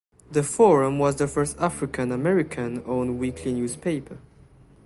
The Forum was the first African American owned weekly newspaper.